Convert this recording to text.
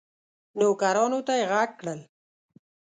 نوکرانو ته یې ږغ کړل